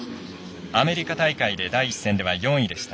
アメリカ大会で第１戦、４位でした。